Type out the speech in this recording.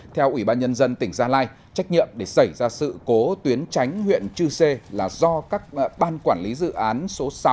theo ủy ban nhân dân tỉnh gia lai trách nhiệm để xảy ra sự cố tuyến tránh huyện chư sê là do các ban quản lý dự án số sáu